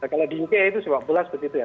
kalau di uk itu sebuah belas seperti itu ya